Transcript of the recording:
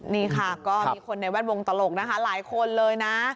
นี่ค่ะก็มีคนในแวดวงตลกนะคะหลายคนเลยนะ